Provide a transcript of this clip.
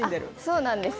そうなんです。